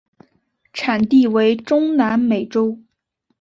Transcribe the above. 产地为中南美洲。